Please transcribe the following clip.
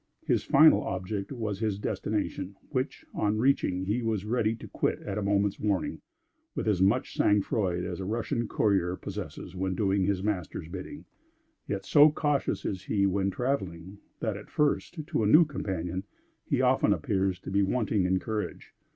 His final object was his destination; which, on reaching, he was ready to quit at a moment's warning, with as much sang froid as a Russian courier possesses when doing his master's bidding. Yet so cautious is he when traveling, that, at first, to a new companion, he often appears to be wanting in courage.